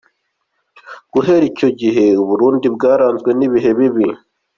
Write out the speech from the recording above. Guhera icyo gihe u Burundi bwaranzwe n’ibihe bibi.